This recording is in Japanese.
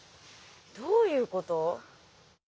どういうこと？